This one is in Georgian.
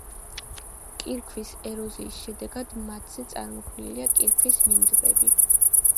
კირქვის ეროზიის შედეგად, მთაზე წარმოქმნილია კირქვის მინდვრები.